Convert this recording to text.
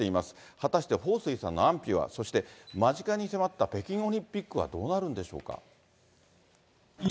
果たして彭帥さんの安否は、そして、間近に迫った北京オリンピックはどうなるんでしょうか。